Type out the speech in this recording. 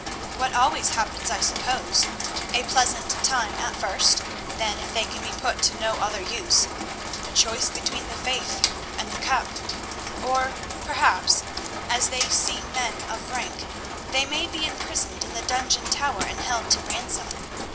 "What always happens, I suppose—a pleasant time at first; then, if they can be put to no other use, a choice between the faith and the cup. Or, perhaps, as they seem men of rank, they may be imprisoned in the dungeon tower and held to ransom.